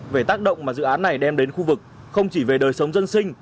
về tác động mà dự án này đem đến khu vực không chỉ về đời sống dân sinh